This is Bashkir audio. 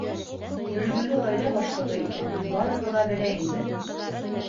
Өлгөлө ғаилә башлығы икәнен барыһы ла белә инде.